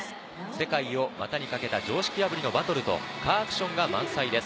世界を股にかけた常識破りのバトルとカーアクションが満載です。